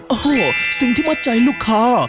โอ้โหสิ่งที่มัดใจลูกค้า